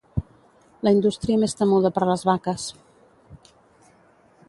La indústria més temuda per les vaques.